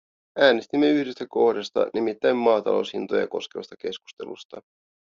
Äänestimme yhdestä kohdasta, nimittäin maataloushintoja koskevasta keskustelusta.